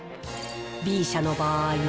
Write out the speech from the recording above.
Ｂ社の場合。